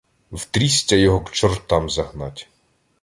В трістя його к чортам загнать.